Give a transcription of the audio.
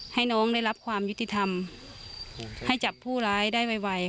ให้น้องได้รับความยุติธรรมให้จับผู้ร้ายได้ไว